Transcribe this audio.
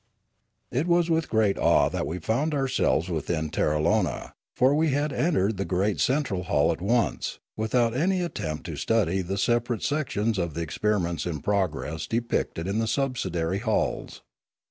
It was with great awe that we found ourselves within Terralona; for we had entered the great central hall at once, without any attempt to study the separate sections of the experiments in progress depicted in the subsidiary halls.